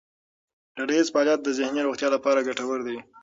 ډلهییز فعالیت د ذهني روغتیا لپاره ګټور دی.